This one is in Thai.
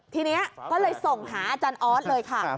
ทีนี้ก็เลยส่งหาอาจารย์ออสเลยค่ะ